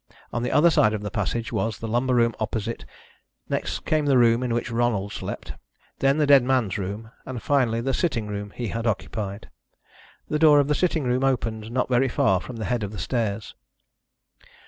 On the other side of the passage was the lumber room opposite, next came the room in which Ronald slept, then the dead man's room, and finally the sitting room he had occupied. The door of the sitting room opened not very far from the head of the stairs.